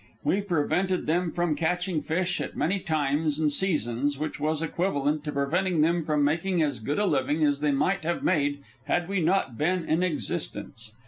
We prevented them from catching fish at many times and seasons, which was equivalent to preventing them from making as good a living as they might have made had we not been in existence.